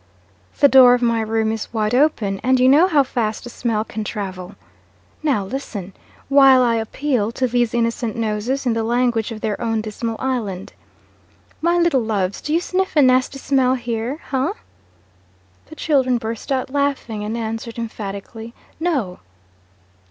'The door of my room is wide open and you know how fast a smell can travel. Now listen, while I appeal to these innocent noses, in the language of their own dismal island. My little loves, do you sniff a nasty smell here ha?' The children burst out laughing, and answered emphatically, 'No.'